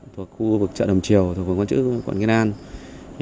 thuộc khu vực chợ đồng triều thuộc phường quán chữ quận kế nam